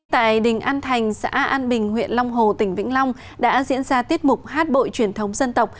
tại đình an thành xã an bình huyện long hồ tỉnh vĩnh long đã diễn ra tiết mục hát bội truyền thống dân tộc